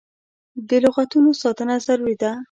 د لغتانو ساتنه ضروري ده.